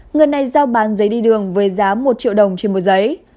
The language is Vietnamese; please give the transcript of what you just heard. người này giao bán giấy đi đường với giá một triệu đồng trên một giấy